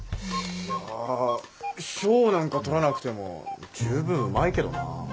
いや賞なんか取らなくてもじゅうぶんうまいけどな。